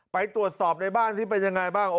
ไปตรวจสอบในบ้านที่เป็นยังไงบ้าง